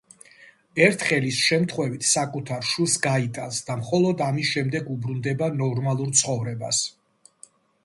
ერთხელ ის შემთხვევით საკუთარ შვილს გაიტანს და მხოლოდ ამის შემდეგ უბრუნდება ნორმალურ ცხოვრებას.